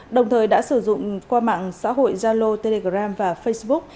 đồng thời đã sử dụng qua mạng xã hội zalo telegram và facebook